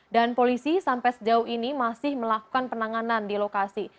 dan polisi sampai sejauh ini masih melakukan penanganan di lokasi